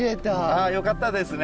あよかったですね